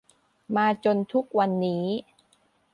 มาจนทุกวันนี้